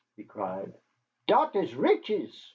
he cried, "dot is riches."